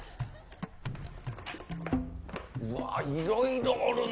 うわー、いろいろおるな。